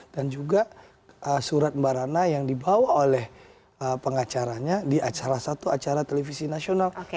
dan juga surat mbak rana yang dibawa oleh pengacaranya di acara satu acara televisi nasional